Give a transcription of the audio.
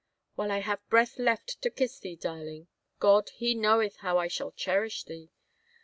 '* While I have breath left to kiss thee, darling, God, He knoweth how I shall cherish thee.